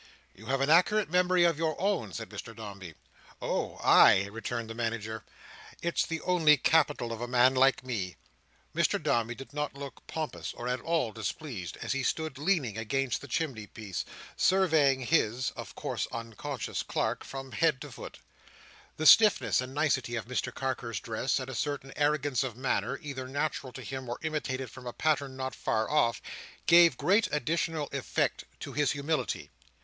"You have an accurate memory of your own," said Mr Dombey. "Oh! I!" returned the manager. "It's the only capital of a man like me." Mr Dombey did not look less pompous or at all displeased, as he stood leaning against the chimney piece, surveying his (of course unconscious) clerk, from head to foot. The stiffness and nicety of Mr Carker's dress, and a certain arrogance of manner, either natural to him or imitated from a pattern not far off, gave great additional effect to his humility.